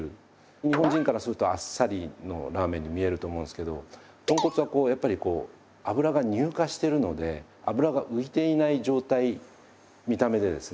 日本人からするとあっさりのラーメンに見えると思うんですけど豚骨はやっぱり脂が乳化してるので脂が浮いていない状態見た目でですね。